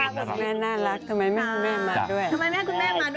คุณแม่น่ารักค่ะคุณแม่น่ารัก